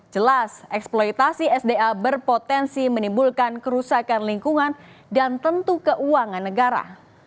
jelas eksploitasi sda berpotensi menimbulkan kerusakan lingkungan dan tentu keuangan negara